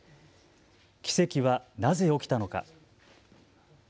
奇跡はなぜ起きたのか。